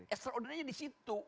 extraordinarinya di situ